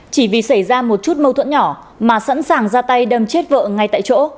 chỉ vì xảy ra một chút mâu thuẫn nhỏ mà sẵn sàng ra tay đâm chết vợ ngay tại chỗ